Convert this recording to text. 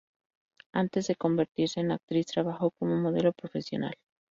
Antes de convertirse en actriz, trabajó como modelo profesional.